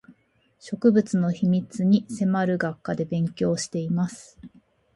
植物の秘密に迫る学科で勉強をしています